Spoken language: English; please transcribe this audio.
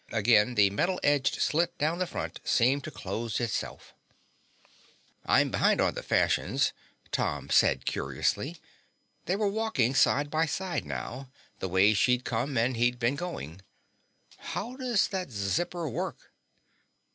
Again the metal edged slit down the front seemed to close itself. "I'm behind on the fashions," Tom said, curious. They were walking side by side now, the way she'd come and he'd been going. "How does that zipper work?"